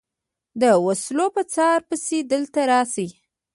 د وسلو په څار پسې دلته راشي.